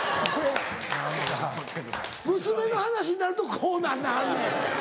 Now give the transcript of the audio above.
娘の話になるとこうなりなはんねん。